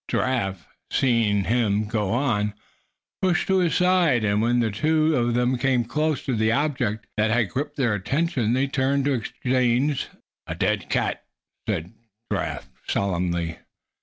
Giraffe, seeing him going on, pushed to his side; and when the two of them came close to the object that had gripped their attention, they turned to exchange stares. "A dead cat!" said Giraffe, solemnly.